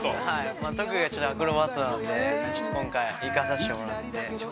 ◆特技がアクロバットなので、ちょっと今回、生かさせてもらって。